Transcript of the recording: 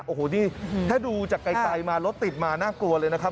โอ้โหนี่ถ้าดูจากไกลมารถติดมาน่ากลัวเลยนะครับ